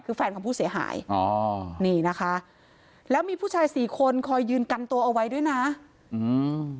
คือแฟนของผู้เสียหายอ๋อนี่นะคะแล้วมีผู้ชายสี่คนคอยยืนกันตัวเอาไว้ด้วยนะอืม